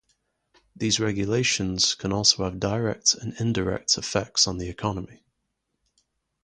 These regulations can also have direct and indirect effects on the economy.